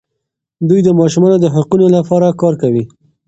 دوی د ماشومانو د حقونو لپاره کار کوي.